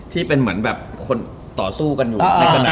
ที่เป็นเหมือนคนต่อสู้กันอยู่